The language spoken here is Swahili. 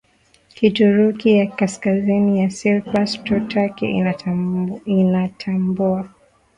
Kituruki ya Kaskazini ya Cyprus Tu Turkey inatambua